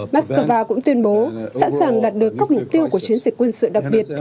mắc cơ va cũng tuyên bố sẵn sàng đạt được các mục tiêu của chiến dịch quân sự đặc biệt